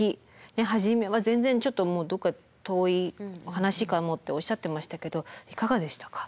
初めは全然ちょっとどっか遠い話かもっておっしゃってましたけどいかがでしたか？